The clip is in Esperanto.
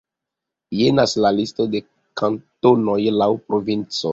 Jenas la listo de kantonoj laŭ provinco.